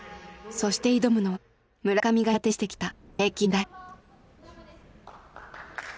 そして挑むのは村上が苦手にしてきた平均台。